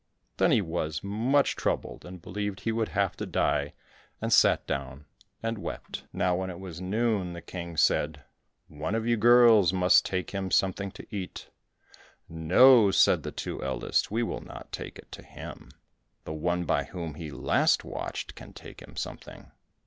Then he was much troubled and believed he would have to die, and sat down and wept. Now when it was noon the King said, "One of you girls must take him something to eat." "No," said the two eldest, "We will not take it to him; the one by whom he last watched, can take him something."